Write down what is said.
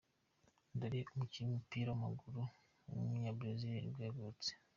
Dedé, umukinnyi w’umupira w’amaguru w’umunyabrazil nibwo yavutse.